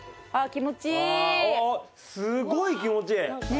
すごい気持ちいい！